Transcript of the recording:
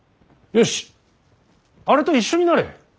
よしあれと一緒になれ。